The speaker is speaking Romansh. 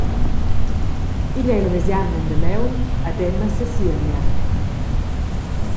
Igl ei ina mesjamna endamaun ed Emma sesiemia.